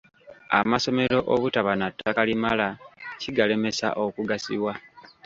Amasomero obutaba na ttaka limala kigalemesa okugaziwa.